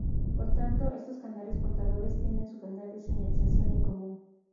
Por tanto, estos canales portadores tienen su canal de señalización en común.